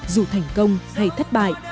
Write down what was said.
dù thành công hay thất bại